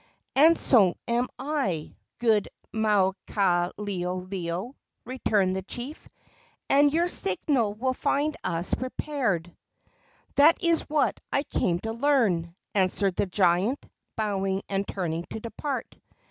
"And so am I, good Maukaleoleo," returned the chief, "and your signal will find us prepared." "That is what I came to learn," answered the giant, bowing and turning to depart.